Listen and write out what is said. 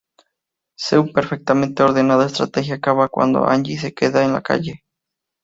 Su perfectamente ordenada estrategia acaba cuando Angie se queda en la calle.